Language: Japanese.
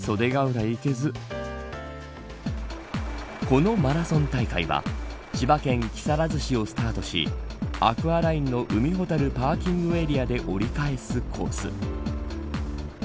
このマラソン大会は千葉県木更津市をスタートしアクアラインの海ほたるパーキングエリアで折り返すコース。